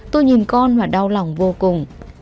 tôi nhìn con và đau lòng vô cùng